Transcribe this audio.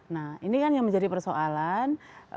nah ini kan yang menjadi persoalan